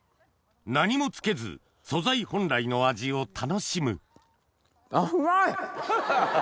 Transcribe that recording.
何もつけず素材本来の味を楽しむ甘い！